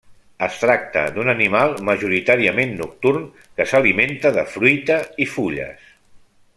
Es tracta d'un animal majoritàriament nocturn que s'alimenta de fruita i fulles.